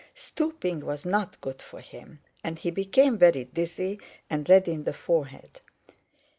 Stooping was not good for him, and he became very dizzy and red in the forehead.